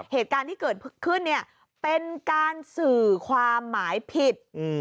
เหตุการณ์ที่เกิดขึ้นเนี่ยเป็นการสื่อความหมายผิด